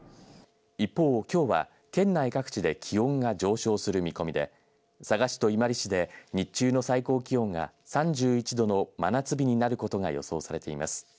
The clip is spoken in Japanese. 一方、きょうは県内各地で気温が上昇する見込みで佐賀市と伊万里市で日中の最高気温が３１度の真夏日になることが予想されています。